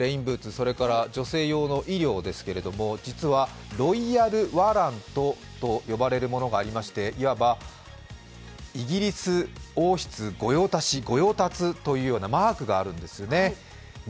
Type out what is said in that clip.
それから女性用の医療ですが実はロイヤルワラントというものがありましていわばイギリス王室御用達というようなマークがあるんですよね。